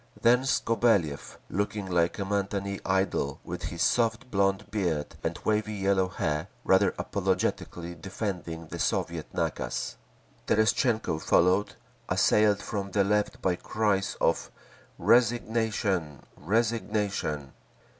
Then Skobeliev, looking like a matinée idol with his soft blond beard and wavy yellow hair, rather apologetically defending the Soviet nakaz. Terestchenko followed, assailed from the Left by cries of "Resignation! Resignation!"